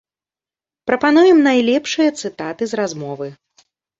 Прапануем найлепшыя цытаты з размовы.